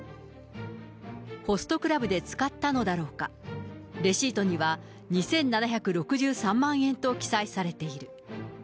ホストクラブで使ったのだろうか、レシートには２７６３万円と記載されている。